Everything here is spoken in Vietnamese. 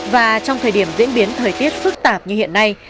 và trong thời điểm diễn biến thời tiết phức tạp như hiện nay